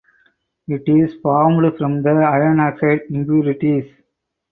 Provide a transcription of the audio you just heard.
It is formed from the iron oxide impurities.